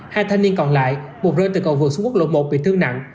hai thanh niên còn lại một rơi từ cầu vực xuống quốc lộ một bị thương nặng